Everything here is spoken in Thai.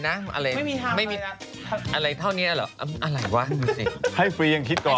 ไม่มีภาพเลยนะอะไรเท่านี้หรออะไรวะดูสิให้ฟรียังคิดก่อน